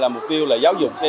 mục tiêu là giáo dục